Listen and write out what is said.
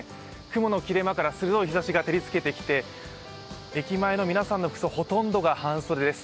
雲の切れ間から鋭い日ざしが照りつけてきて、駅前の皆さんの服装ほとんどが半袖です。